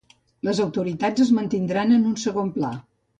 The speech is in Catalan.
Les autoritats es mantindran en un segon pla.